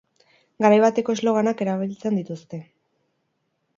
Garai bateko sloganak erabiltzen dituzte.